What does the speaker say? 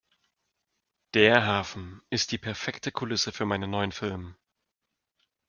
Der Hafen ist die perfekte Kulisse für meinen neuen Film.